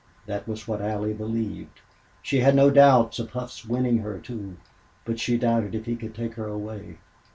That was what Allie believed. She had no doubts of Hough's winning her, too, but she doubted if he could take her away.